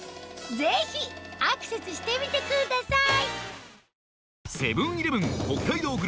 ぜひアクセスしてみてください